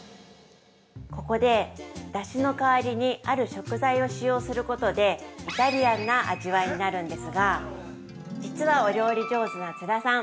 ◆ここでだしの代わりにある食材を使用することでイタリアンな味わいになるんですが実はお料理上手な津田さん